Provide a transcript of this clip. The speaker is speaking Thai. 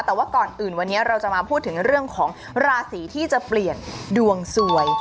แต่ว่าก่อนอื่นวันนี้เราจะมาพูดถึงเรื่องของราศีที่จะเปลี่ยนดวงสวย